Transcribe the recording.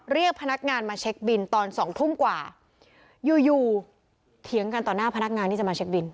เรียกพนักงานมาเช็คบินตอนสองทุ่มกว่าอยู่อยู่เถียงกันต่อหน้าพนักงานที่จะมาเช็คบิน